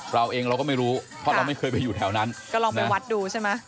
เราเองเราก็ไม่รู้เพราะเราไม่เคยไปอยู่แถวนั้นก็ลองไปวัดดูใช่ไหม